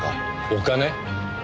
お金？